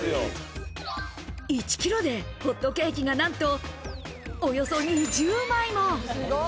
１ｋｇでホットケーキがなんと、およそ２０枚も。